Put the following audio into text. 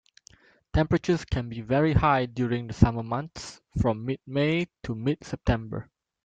Temperatures can be very high during the summer months, from mid-May to mid-September.